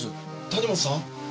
谷本さん？